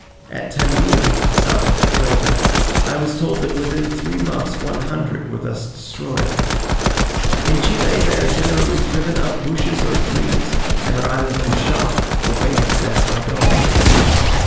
At Tandeel (south of the plata), I was told that within three months one hundred were thus destroyed. In Chile they are generally driven up bushes or trees, and are then either shot, or baited to death by dogs.